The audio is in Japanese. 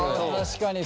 確かに。